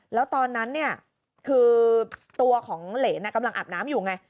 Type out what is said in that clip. แล้วตอนนั้นเนี่ยคือตัวของเหรนกำลังอาบน้ำอยู่ไง